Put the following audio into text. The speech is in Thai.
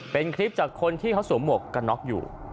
เป็นคลิปจากคนที่เขาสวมหมวกกันน็อกอยู่